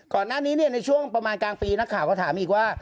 ก่อนหน้านี้ในช่วงประมาณกลางปีนักข่าวก็ถามอีกว่า